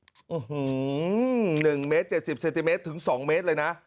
อื้อหือหนึ่งเมตรเจ็ดสิบเซติเมตรถึงสองเมตรเลยนะ